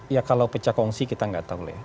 ya kalau pecahkongsi kita gak tahu ya